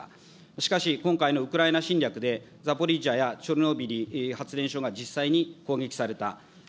しかし今回のウクライナ侵略で、ザポリージャやチョルノービリ発電所が実際に攻撃された。